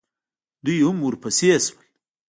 دوئ هم ورپسې شول.